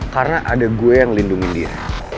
karena ada gue yang lindungi dia